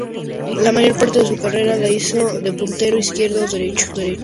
La mayor parte de su carrera la hizo de puntero, izquierdo o derecho.